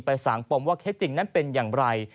สางปมว่าเคสจริงนั้นเป็นอย่างไร